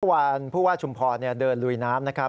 ทุกวันผู้ว่าชุมพรเดินลุยน้ำ